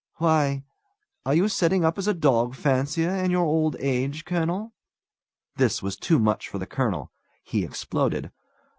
"Why, are you setting up as a dog fancier in your old age, colonel?" This was too much for the colonel. He exploded.